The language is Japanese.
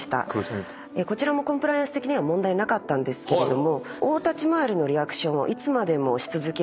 こちらもコンプライアンス的には問題なかったんですけれども。